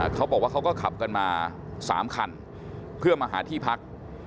เขาก็ขับกันมา๓คันเพื่อมาหาที่พัก